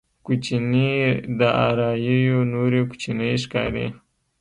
کوچنيې داراییو نورې کوچنۍ ښکاري.